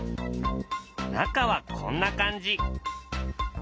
中はこんな感じ。